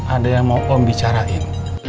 ada yang mau om bicarain